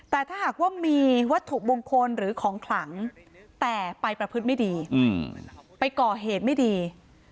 แต่ถ้าหากว่ามีวัตถุมงคลหรือของขลังแต่ไปประพฤติไม่ดีไปก่อเหตุไม่ดี